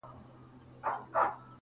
چي باید ټول شعر یې سندریز سي